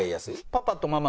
「パパ」と「ママ」。